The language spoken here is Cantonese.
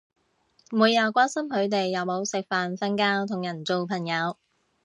每日關心佢哋有冇食飯瞓覺同人做朋友